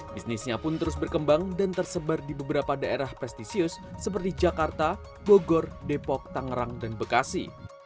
bisnisnya pun terus berkembang dan tersebar di beberapa daerah prestisius seperti jakarta bogor depok tangerang dan bekasi